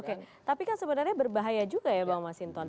oke tapi kan sebenarnya berbahaya juga ya pak mas hinton